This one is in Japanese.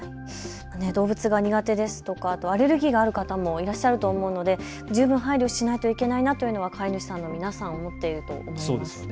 動物が苦手ですとかアレルギーがある方もいらっしゃると思うので十分に配慮しなきゃいけないなというのは皆さん、思っていると思うんです。